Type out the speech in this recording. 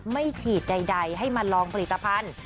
ไม่ฉีดใดให้มาลองผลิตภัณฑ์